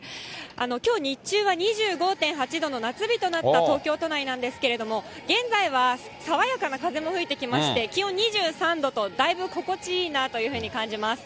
きょう日中は２５．８度の夏日となった東京都内なんですけれども、現在は爽やかな風も吹いてきまして、気温２３度とだいぶ心地いいなというふうに感じます。